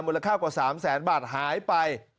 ค่ากว่า๓แสนบาทหายไป